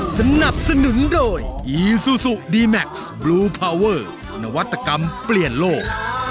สนับสนุนโดยอีซูซูดีแม็กซ์บลูพาวเวอร์นวัตกรรมเปลี่ยนโลก